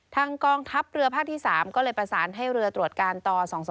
ทางกองทัพเรือภาคที่๓ก็เลยประสานให้เรือตรวจการต่อ๒๒